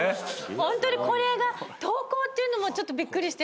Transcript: ホントにこれが投稿っていうのもちょっとびっくりして。